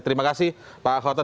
terima kasih pak akhota